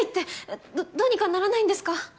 えっどどうにかならないんですか？